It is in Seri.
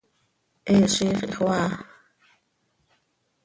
He ziix ihxoaa.